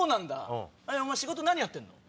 お前仕事何やってんの？